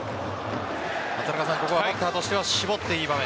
ここはバッターとしては絞っていい場面？